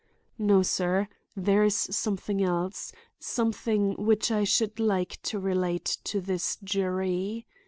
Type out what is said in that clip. "No, sir, there is something else, something which I should like to relate to this jury.